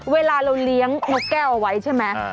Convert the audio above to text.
เวลาเราเลี้ยงนกแก้วเอาไว้ใช่ไหม